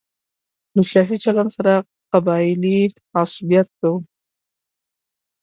له سیاسي چلن سره قبایلي عصبیت کوو.